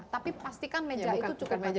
tapi pastikan meja itu cukup banyak